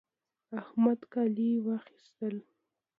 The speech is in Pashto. احمد کالي واخيستل